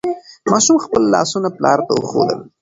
ماشوم خپل لاسونه پلار ته وښودل.